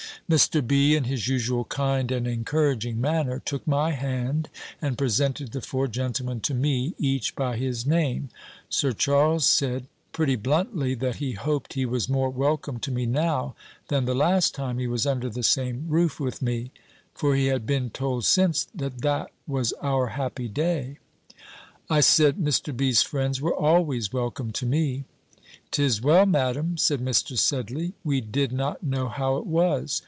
Mr. B., in his usual kind and encouraging manner, took my hand, and presented the four gentlemen to me, each by his name. Sir Charles said, pretty bluntly, that he hoped he was more welcome to me now, than the last time he was under the same roof with me; for he had been told since, that that was our happy day. I said, Mr. B.'s friends were always welcome to me. "Tis well, Madam," said Mr. Sedley, "we did not know how it was.